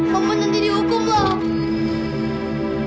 mama nanti dihukum loh